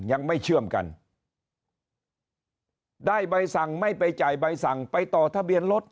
ยังไม่เชื่อมกันได้ใบสั่งไม่ไปจ่ายใบสั่งไปต่อทะเบียนรถ